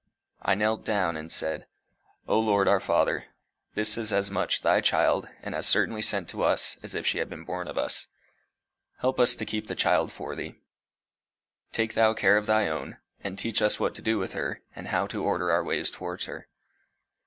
I knelt down, and said: "O Lord our Father, this is as much thy child and as certainly sent to us as if she had been born of us. Help us to keep the child for thee. Take thou care of thy own, and teach us what to do with her, and how to order our ways towards her."